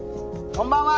こんばんは。